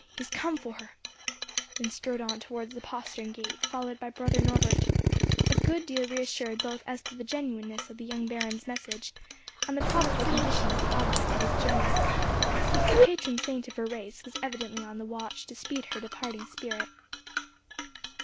He is come for her;" then strode on towards the postern gate, followed by Brother Norbert, a good deal reassured both as to the genuineness of the young Baron's message and the probable condition of the object of his journey, since the patron saint of her race was evidently on the watch to speed her departing spirit.